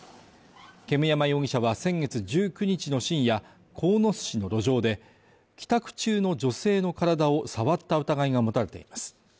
煙山容疑者は先月１９日の深夜、鴻巣市の路上で、帰宅中の女性の体を触った疑いが持たれています。